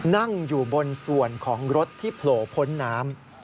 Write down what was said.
นั่งอยู่บนส่วนของรถที่โผล่พ้นน้ำ